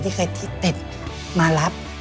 ที่เคยที่ติดมารับ